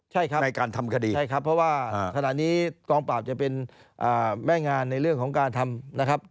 ใช่ครับในการทำคดีใช่ครับเพราะว่าขณะนี้กองปราบจะเป็นแม่งานในเรื่องของการทำนะครับ